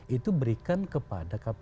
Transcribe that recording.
itu berikan kepada kpu